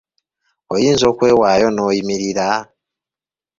Oyinza okwewaayo n‘oyimirira?